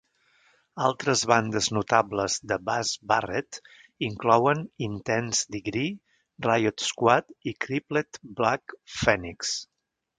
Altres bandes notables de Baz Barrett inclouen Intense Degree, Riot Squad i Crippled Black Phoenix.